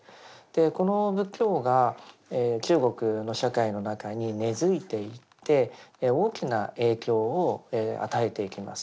この仏教が中国の社会の中に根づいていって大きな影響を与えていきます。